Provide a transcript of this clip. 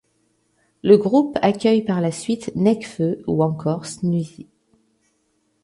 Le groupe accueille par la suite Nekfeu ou encore Sneazzy.